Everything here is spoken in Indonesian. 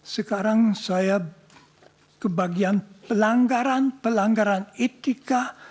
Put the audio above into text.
sekarang saya ke bagian pelanggaran pelanggaran etika